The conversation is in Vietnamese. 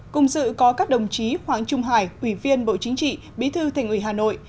cùng dự có các đồng chí hoàng trung hải ủy viên bộ chính trị bí thư thành ủy hà nội